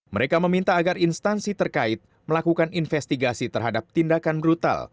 mereka meminta agar instansi terkait melakukan investigasi terhadap tindakan brutal